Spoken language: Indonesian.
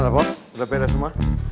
gimana bob udah pere semua